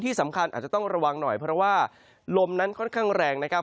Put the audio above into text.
อาจจะต้องระวังหน่อยเพราะว่าลมนั้นค่อนข้างแรงนะครับ